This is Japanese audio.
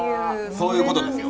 そういうことですよ。